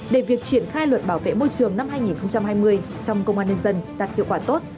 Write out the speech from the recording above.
để việc triển khai luật bảo vệ môi trường năm hai nghìn hai mươi trong công an nhân dân đạt hiệu quả tốt